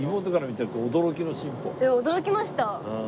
いや驚きました。